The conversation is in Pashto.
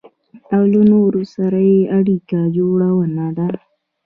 او له نورو سره يې اړيکه جوړونه ده.